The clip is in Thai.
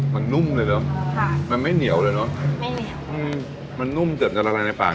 มันนุ่มเลยหรอใช่มันไม่เหนียวเลยเนอะไม่เหนียวอืมมันนุ่มเกือบจะระลังในปาก